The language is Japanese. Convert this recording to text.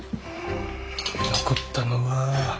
残ったのは。